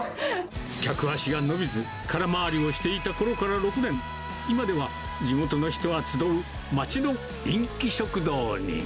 客足が伸びず、空回りをしていたころから６年、今では地元の人が集う町の人気食堂に。